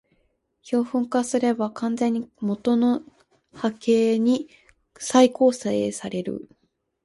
標本化すれば完全に元の波形に再構成される